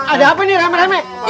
ada apa nih remeh remeh